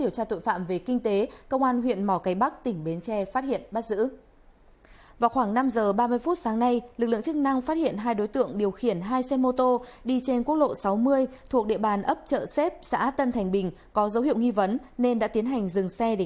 các bạn hãy đăng ký kênh để ủng hộ kênh của chúng mình nhé